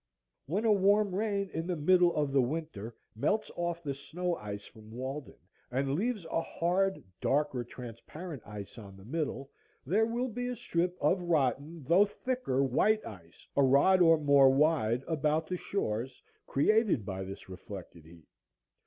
When a warm rain in the middle of the winter melts off the snow ice from Walden, and leaves a hard dark or transparent ice on the middle, there will be a strip of rotten though thicker white ice, a rod or more wide, about the shores, created by this reflected heat.